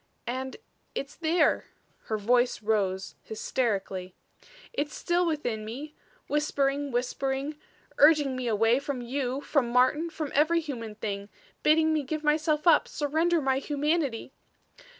"And it's there," her voice rose, hysterically. "It's still within me whispering, whispering; urging me away from you, from Martin, from every human thing; bidding me give myself up, surrender my humanity.